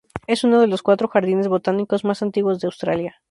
Es uno de los cuatro jardines botánicos más antiguos de Australia.